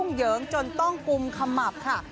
ยุ่งเหยิงจนต้องกุมคำหมับค่ะ